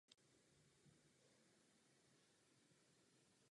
Jen asi před měsícem jsem se s panem Bhattím setkala.